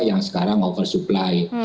yang sekarang oversupply